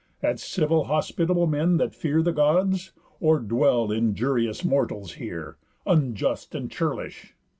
At civil hospitable men, that fear The Gods? Or dwell injurious mortals here? Unjust, and churlish?